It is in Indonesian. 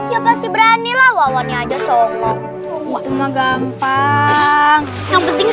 ya pasti beranilah wawannya aja soongok